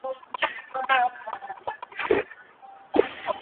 সবাই দাঁড়িয়ে যাও।